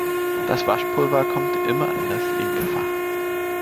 Das Waschpulver kommt immer in das linke Fach.